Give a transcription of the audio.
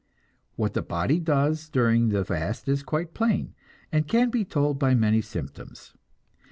What the body does during the fast is quite plain, and can be told by many symptoms.